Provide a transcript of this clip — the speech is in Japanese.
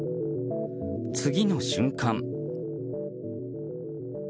次の瞬間。